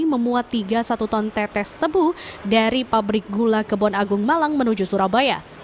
memuat tiga satu ton tetes tebu dari pabrik gula kebon agung malang menuju surabaya